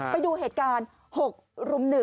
ไปดูเหตุการณ์๖รุม๑